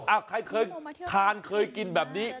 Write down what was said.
ใครเคยทานเคยกินแบบนี้